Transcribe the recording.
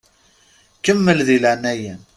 Kemmel di leɛnaya-m!